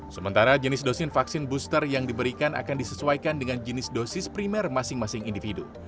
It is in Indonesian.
sementara jenis dosis vaksin booster yang diberikan akan disesuaikan dengan jenis dosis primer masing masing individu